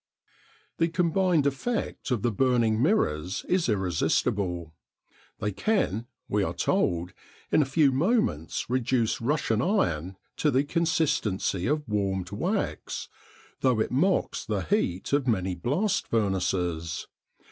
The combined effect of the burning mirrors is irresistible. They can, we are told, in a few moments reduce Russian iron to the consistency of warmed wax, though it mocks the heat of many blast furnaces.